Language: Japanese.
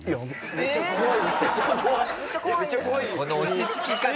めっちゃ怖い。